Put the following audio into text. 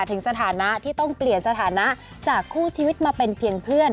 ถึงสถานะที่ต้องเปลี่ยนสถานะจากคู่ชีวิตมาเป็นเพียงเพื่อน